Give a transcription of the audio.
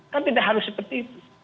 kan tidak harus seperti itu